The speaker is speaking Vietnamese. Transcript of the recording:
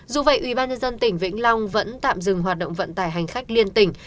dù vậy ubnd tỉnh vĩnh long vẫn tạm dừng hoạt động vận tải hành khách liên tỉnh